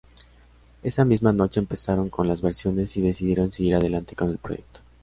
Esa misma noche empezaron con las versiones, y decidieron seguir adelante con el proyecto.